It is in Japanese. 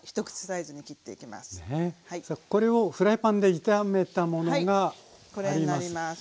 さあこれをフライパンで炒めたものがあります。